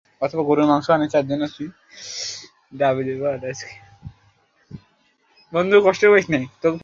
তবে প্রার্থীদের যেমন প্রতিশ্রুতির কমতি নেই, তেমনি ভোটারদেরও প্রার্থীদের প্রতি অনাস্থার কমতি নেই।